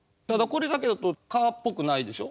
これだけだと蚊っぽくないでしょ。